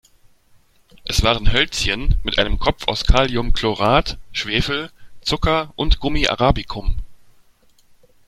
Es waren Hölzchen mit einem Kopf aus Kaliumchlorat, Schwefel, Zucker und Gummi arabicum.